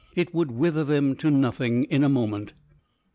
It would wither them to nothing in a moment.